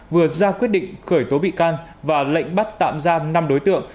vừa ra quyết định khởi tố bị can và lệnh bắt tạm giam năm đối tượng